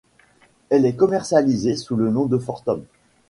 Elle est commercialisée sous le nom de Fortum ®.